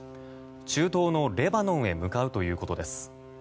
中東のレバノンへ向かうということです。